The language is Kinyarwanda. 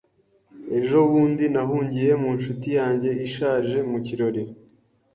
Ejo bundi nahungiye mu nshuti yanjye ishaje mu kirori.